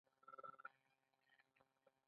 د کوڅه ډب او اندرغړب ژبه ده.